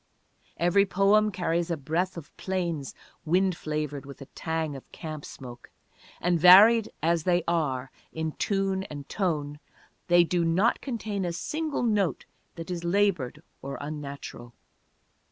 Every poem carries a breath of plains, wind flavored with a tang of camp smoke; and, varied as they are in tune and tone, they do not contain a single note that is labored or unnatural.